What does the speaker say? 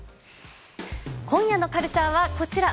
今夜のカルチャーは、こちら。